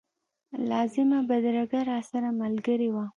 لازمه بدرګه راسره ملګرې وه.